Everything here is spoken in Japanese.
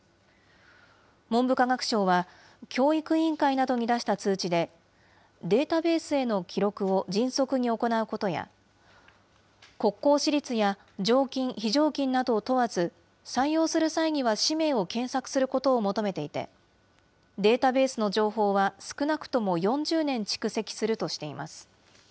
文部科学省は、教育委員会などに出した通知で、データベースへの記録を迅速に行うことや、国公私立や常勤、非常勤などを問わず、採用する際には氏名を検索することを求めていて、データベースの情報は少なくとも４０年蓄積するとしています。